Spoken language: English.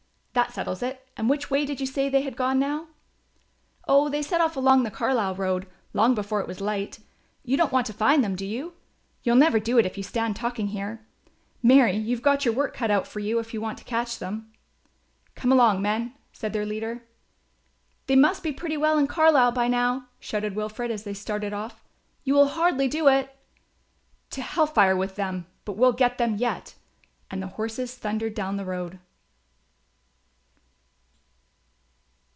"That settles it, and which way did you say they had gone now?" "Oh, they set off along the Carlisle road, long before it was light. You don't want to find them, do you? You'll never do it if you stand talking here; marry, you've got your work cut out for you if you want to catch them." "Come along, men," said their leader. "They must be pretty well in Carlisle by now," shouted Wilfred, as they started off. "You will hardly do it." "To hell fire with them; but we'll get them yet"; and the horses thundered down the road.